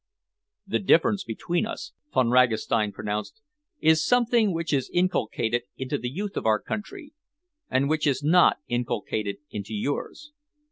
"The difference between us," Von Ragastein pronounced, "is something which is inculcated into the youth of our country and which is not inculcated into yours.